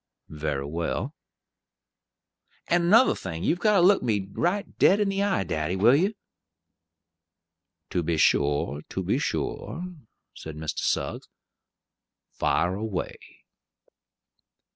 "Very well." "And another thing: you've got to look me right dead in the eye, daddy; will you?" "To be sure, to be sure," said Mr. Suggs; "fire away."